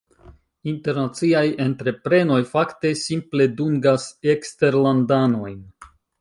internaciaj entreprenoj- fakte simple dungas eksterlandanojn.